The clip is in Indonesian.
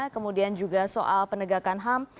kemudian juga soal penegakan ham